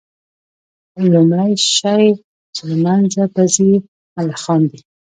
لومړى شى چي له منځه به ځي ملخان دي